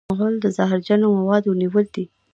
غول د زهرجنو موادو نیول دی.